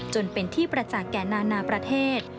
จนเป็นที่ประจักษ์แก่นานาประเทศ